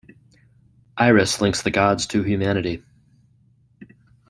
Iris links the gods to humanity.